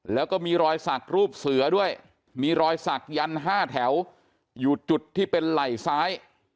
แล้วก็มีรอยสักรูปเสือด้วยมีรอยสักยัน๕แถวอยู่จุดที่เป็นไหล่ซ้าย